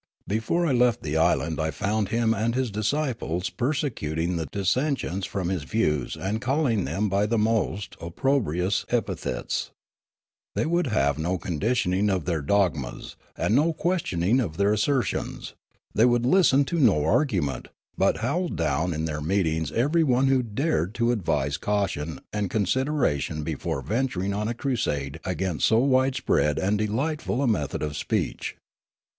Before I left the island I found him and his disciples persecuting the dissentients from his views and calling them b}^ the most opprobrious epithets ; they would have no conditioning of their dogmas, and no questioning of their assertions ; they would listen to no argument, but howled down in their meetings everyone who dared to advise caution and consideration before venturing on a crusade against so widespread and delightful a method of speech.